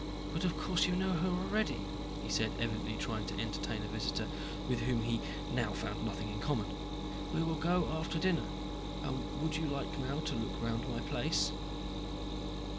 But of course you know her already," he said, evidently trying to entertain a visitor with whom he now found nothing in common. "We will go after dinner. And would you now like to look round my place?"